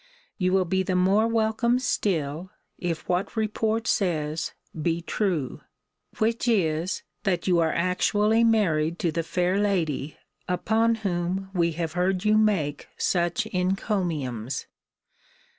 You will be the more welcome still, if what report says, be true; which is, that you are actually married to the fair lady upon whom we have heard you make such encomiums.